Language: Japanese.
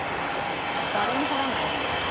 誰も掘らないよね